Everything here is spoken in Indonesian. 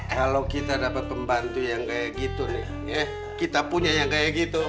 kalau kita dapat pembantu yang kayak gitu nih ya kita punya yang kayak gitu